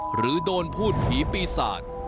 หรือโดนพูดผีปีศาจ